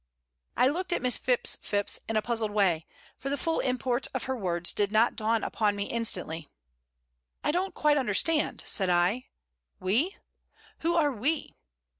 I looked at Miss Phipps Phipps in a puzzled way, for the full import of her words did not dawn upon me instantly. "I don't quite understand," said I. "We? Who are we?"